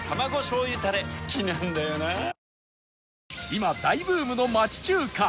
今大ブームの町中華